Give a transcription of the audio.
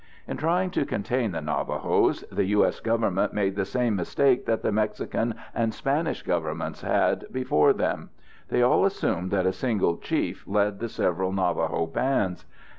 In trying to contain the Navajos, the U.S. Government made the same mistake that the Mexican and Spanish Governments did before them. They all assumed that a single chief led the several Navajo bands.